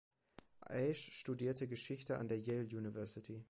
Ashe studierte Geschichte an der Yale University.